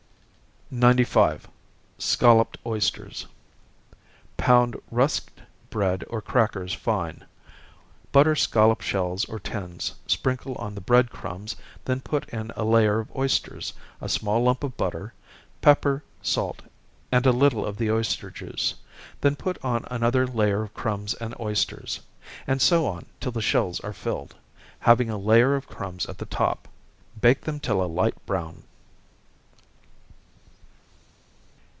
95. Scolloped Oysters. Pound rusked bread or crackers fine butter scollop shells or tins, sprinkle on the bread crumbs, then put in a layer of oysters, a small lump of butter, pepper, salt, and a little of the oyster juice then put on another layer of crumbs and oysters, and so on till the shells are filled, having a layer of crumbs at the top. Bake them till a light brown.